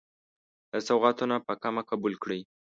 دا سوغاتونه په کمه قبول کړئ.